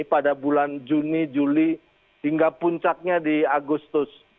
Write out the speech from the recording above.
pada bulan juni juli hingga puncaknya di agustus